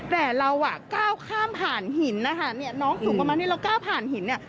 แต่เราก้าวข้ามผ่านหินน้องสูงประมาณนี้เราก้าวข้ามผ่านหิน